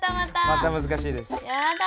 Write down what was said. また難しいです。